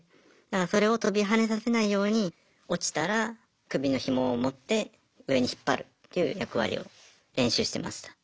だからそれを跳びはねさせないように落ちたら首のひもを持って上に引っ張るっていう役割を練習してました。